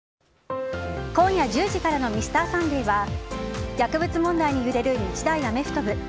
今夜１０時からの「Ｍｒ．サンデー」は薬物問題に揺れる日大アメフト部。